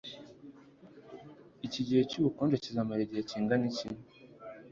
iki gihe cyubukonje kizamara igihe kingana iki